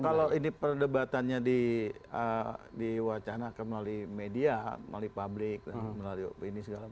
kalau ini perdebatannya di wacana ke melalui media melalui publik melalui ini segala